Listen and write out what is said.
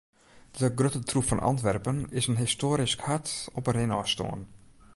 De grutte troef fan Antwerpen is in histoarysk hart op rinôfstân.